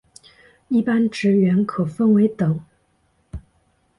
一般职员可分为等。